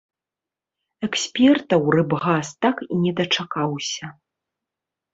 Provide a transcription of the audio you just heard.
Экспертаў рыбгас так і не дачакаўся.